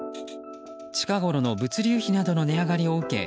近頃の物流費などの値上がりを受け